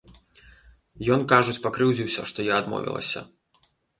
Ён, кажуць, пакрыўдзіўся, што я адмовілася.